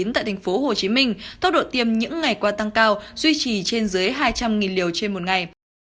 tại tp hcm tốc độ tiêm những ngày qua tăng cao duy trì trên dưới hai trăm linh liều trên một ngày